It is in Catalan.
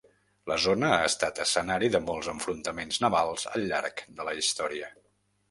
La zona ha estat escenari de molts enfrontaments navals al llarg de la història.